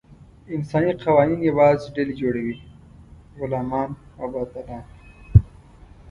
انساني قوانین یوازې ډلې جوړوي: غلامان او باداران.